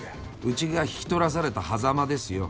うちが引き取らされた硲ですよ。